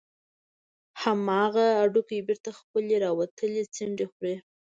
همغه هډوکى بېرته خپلې راوتلې څنډې خوري.